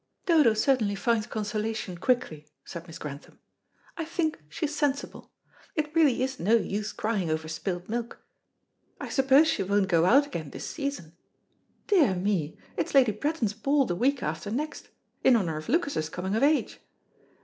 "Dodo certainly finds consolation quickly," said Miss Grantham. "I think she's sensible. It really is no use crying over spilt milk. I suppose she won't go out again this season. Dear me, it's Lady Bretton's ball the week after next, in honour of Lucas's coming of age.